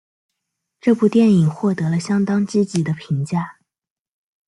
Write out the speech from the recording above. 这部电影获得了相当积极的评价。